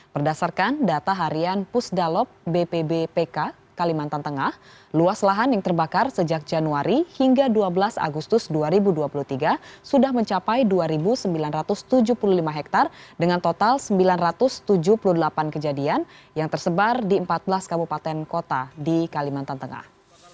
berdasarkan data harian pusdalop bpb pk kalimantan tengah luas lahan yang terbakar sejak januari hingga dua belas agustus dua ribu dua puluh tiga sudah mencapai dua sembilan ratus tujuh puluh lima hektare dengan total sembilan ratus tujuh puluh delapan kejadian yang tersebar di empat belas kabupaten kota di kalimantan tengah